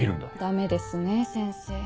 ⁉ダメですね先生。